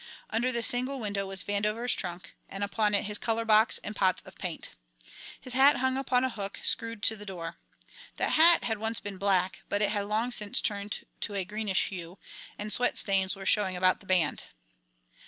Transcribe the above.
Under the single window was Vandover's trunk, and upon it his colour box and pots of paint. His hat hung upon a hook screwed to the door. The hat had once been black, but it had long since turned to a greenish hue, and sweat stains were showing about the band.